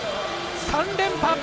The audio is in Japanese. ３連覇！